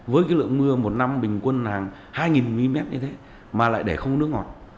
với cái lượng mưa một năm bình quân hàng hai mm như thế mà lại để không nước ngọt